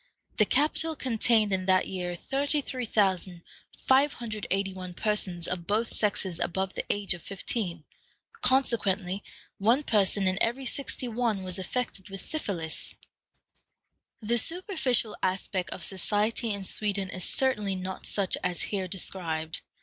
The capital contained in that year 33,581 persons of both sexes above the age of fifteen, consequently one person in every sixty one was affected with syphilis. The superficial aspect of society in Sweden is certainly not such as here described.